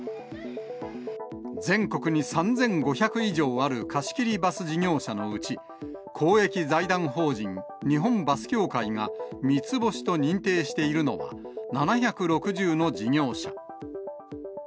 全国に３５００以上ある貸し切りバス事業者のうち、公益財団法人日本バス協会が三つ星と認定しているのは、７６０の事業者。